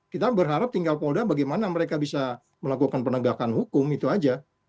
kita berharap tinggal polda bagaimana mereka bisa melakukan penegakan hukum itu aja